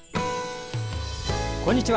こんにちは。